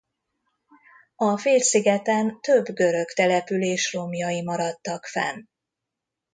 A félszigeten több görög település romjai maradtak fenn.